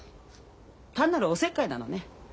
単なるおせっかいなのね。